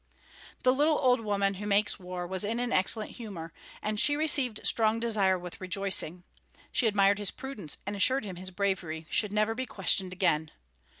The Little Old Woman Who Makes War was in an excellent humor, and she received Strong Desire with rejoicing. She admired his prudence and assured him his bravery should never be questioned again.